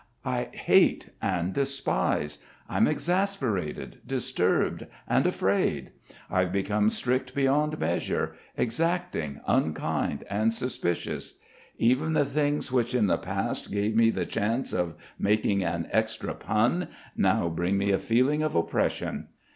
I hate and despise; I'm exasperated, disturbed, and afraid. I've become strict beyond measure, exacting, unkind, and suspicious. Even the things which in the past gave me the chance of making an extra pun, now bring me a feeling of oppression.